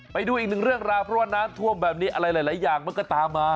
ไปดูอีกหนึ่งเรื่องราวเพราะว่าน้ำท่วมแบบนี้อะไรหลายอย่างมันก็ตามมา